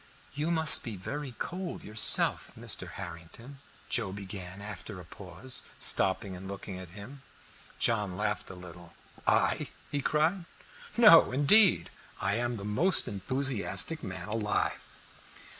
"You must be very cold yourself, Mr. Harrington," Joe began again after a pause, stopping and looking at him. John laughed a little. "I?" he cried. "No, indeed, I am the most enthusiastic man alive."